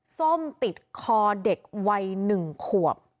ส้มติดคอเด็กวัยหนึ่งขวบ